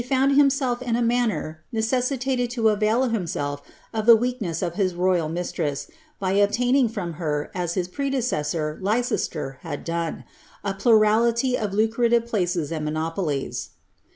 107 (bund himself in t manner necessitated to avail himself of the weakness of his rojral mistress, by obtaining from her, as his predecessor, Leices* ;er, had done, a {Surdity of lucrative places and monopolies.